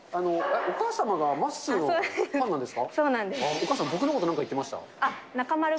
お母様がまっすーのファンなんですか？